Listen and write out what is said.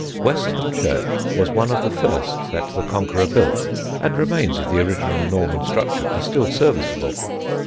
Westham church was one of the first that the Conqueror built, and remains of the original Norman structure are still serviceable.